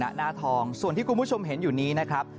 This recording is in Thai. หน้าทองส่วนที่คุณผู้ชมเห็นอยู่นี้นะครับ